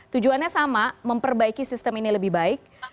tujuannya sama memperbaiki sistem ini lebih baik